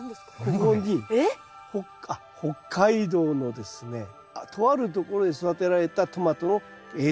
ここに北海道のですねとあるところで育てられたトマトの映像があります。